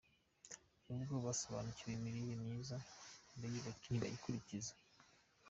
N’ubwo basobanukiwe n’imirire myiza ntibayikurikiza